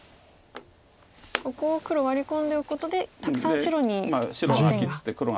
ここを黒ワリ込んでおくことでたくさん白に断点が。